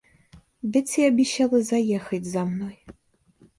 Бетси обещала заехать за мной.